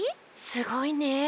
すごいね。